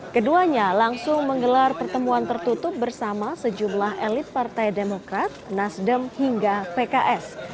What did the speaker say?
keduanya langsung menggelar pertemuan tertutup bersama sejumlah elit partai demokrat nasdem hingga pks